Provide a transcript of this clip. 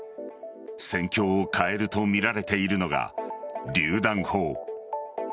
戦況を変えるとみられているのがりゅう弾砲。